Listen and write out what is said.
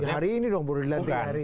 hari ini dong baru dilantik hari ini